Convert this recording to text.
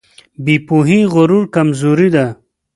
بې پوهې غرور کمزوري ده.